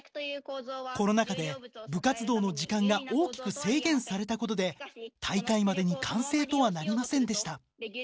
コロナ禍で部活動の時間が大きく制限されたことで大会までに完成とはなりませんでした。